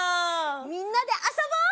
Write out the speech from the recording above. みんなであそぼう！